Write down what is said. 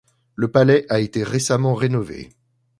Le palais a été récemment rénové.